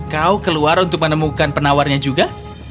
kau keluar untuk menemukan penawarnya juga